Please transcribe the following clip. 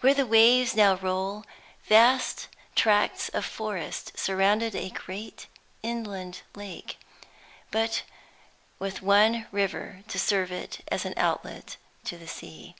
Where the waves now roll, vast tracts of forest surrounded a great inland lake, with but one river to serve it as an outlet to the sea.